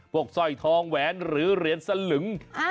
สร้อยทองแหวนหรือเหรียญสลึง